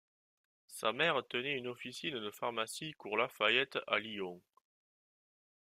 Sa mère tenait une officine de pharmacie cours Lafayette à Lyon.